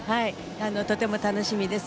とても楽しみです。